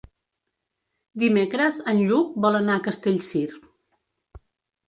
Dimecres en Lluc vol anar a Castellcir.